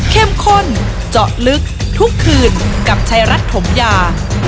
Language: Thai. ข้นเจาะลึกทุกคืนกับชายรัฐถมยา